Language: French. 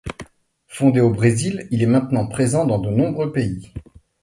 Fondé au Brésil, il est maintenant présent dans de nombreux pays.